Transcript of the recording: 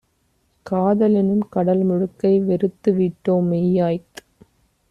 காதலெனும் கடல்முழுக்கை வெறுத்துவிட்டோ ம். மெய்யாய்த்